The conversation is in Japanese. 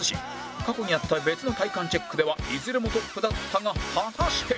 過去にやった別の体幹チェックではいずれもトップだったが果たして